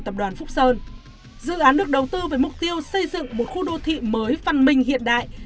tập đoàn phúc sơn dự án được đầu tư với mục tiêu xây dựng một khu đô thị mới văn minh hiện đại